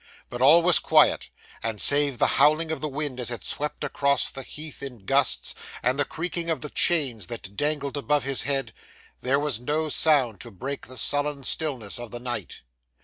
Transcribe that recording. But all was quiet, and, save the howling of the wind as it swept across the heath in gusts, and the creaking of the chains that dangled above his head, there was no sound to break the sullen stillness of the night.